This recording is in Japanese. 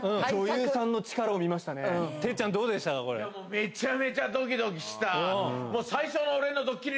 めちゃめちゃドキドキした！